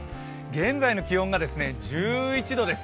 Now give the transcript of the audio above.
現在の気温が１１度です。